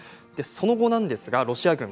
その後なんですがロシア軍